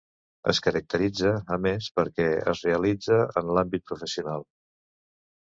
Es caracteritza, a més, perquè es realitza en l'àmbit professional.